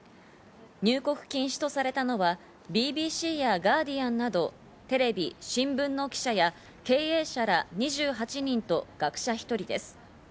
入国禁止とされたのはＢＢＣやガーディアンなどテレビ、新聞の記者や経営者ら２８人と学者１人です。